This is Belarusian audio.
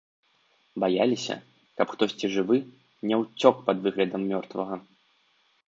Баяліся, каб хтосьці жывы ня ўцёк пад выглядам мёртвага.